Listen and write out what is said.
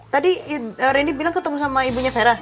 tadi randy bilang ketemu sama ibunya vera